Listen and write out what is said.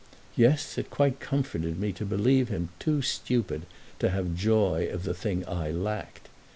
Yes, it quite comforted me to believe him too stupid to have joy of the thing I lacked.